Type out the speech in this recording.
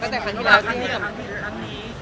ครั้งนี้ครั้งที่แล้วอะไรแตกต่างกับการอารมณ์